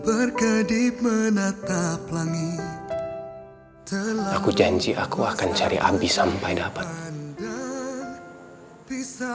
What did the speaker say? aku janji aku akan cari abi sampai dapat